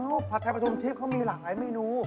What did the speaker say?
เฮ่ยเฮ่ยเฮ่ยเฮ่ยเฮ่ยเฮ่ยเฮ่ย